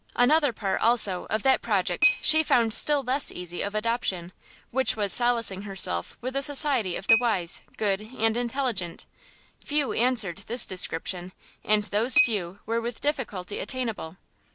Another part, also, of that project she found still less easy of adoption, which was solacing herself with the society of the wise, good, and intelligent. Few answered this description, and those few were with difficulty attainable.